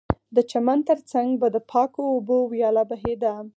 د چمن ترڅنګ به د پاکو اوبو ویاله بهېده